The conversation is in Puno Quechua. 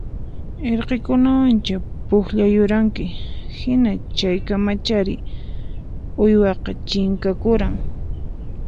Irqikunawancha pukllayuranki hina chaykamachari uwihaqa chinkakuran